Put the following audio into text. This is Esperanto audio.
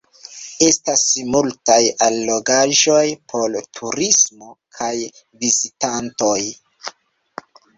Estas multaj allogaĵoj por turismo kaj vizitantoj.